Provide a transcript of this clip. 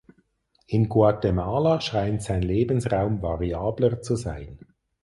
In Guatemala scheint sein Lebensraum variabler zu sein.